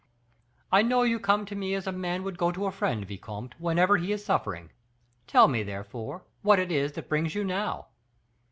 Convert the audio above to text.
"I know you come to me as a man would go to a friend, vicomte, whenever he is suffering; tell me, therefore, what is it that brings you now."